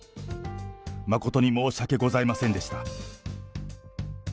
誠に申し訳ございませんでした。